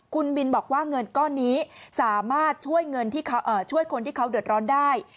คุณบินบอกว่าเงินก้อนนี้สามารถช่วยคนที่เขาเดือดร้อนได้